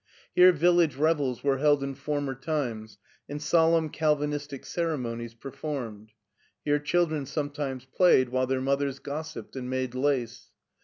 Here village revels were held in former times, and solemn Calvinistic ceremonies performed. Here children sometimes played while their mothers gossiped and made lace.